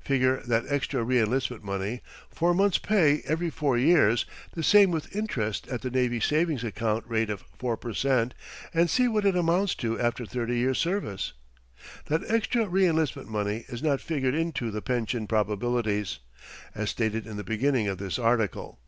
(Figure that extra re enlistment money four months' pay every four years, the same with interest at the navy savings account rate of 4 per cent and see what it amounts to after thirty years' service.) That extra re enlistment money is not figured into the pension probabilities, as stated in the beginning of this article.